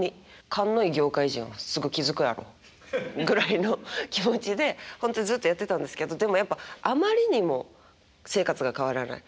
「勘のいい業界人はすぐ気付くやろ」ぐらいの気持ちでほんとずっとやってたんですけどでもやっぱあまりにも生活が変わらない。